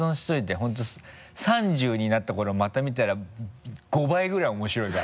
本当３０になった頃また見たら５倍ぐらい面白いから。